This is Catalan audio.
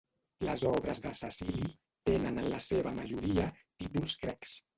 Les obres de Cecili tenen en la seva majoria títols grecs.